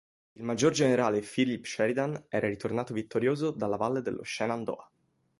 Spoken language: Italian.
Il maggior generale Philip Sheridan era ritornato vittorioso dalla valle dello Shenandoah.